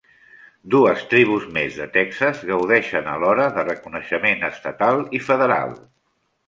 Dues tribus més de Texas gaudeixen alhora de reconeixement estatal i federal.